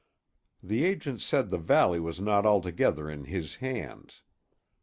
The agent said the valley was not altogether in his hands.